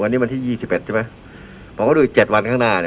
วันนี้วันที่ยี่สิบเอ็ดใช่ไหมผมก็ดูอีกเจ็ดวันข้างหน้าเนี่ย